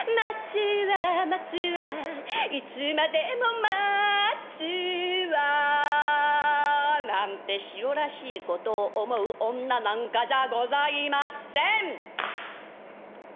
「待つわいつまでも待つわ」なんてしおらしいことを思う女なんかじゃございません！